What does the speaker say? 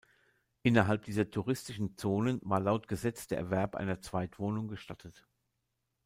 Innerhalb dieser touristischen Zonen war laut Gesetz der Erwerb einer Zweitwohnung gestattet.